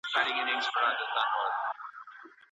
فشار د ډیرو رواني ناروغیو مور ده.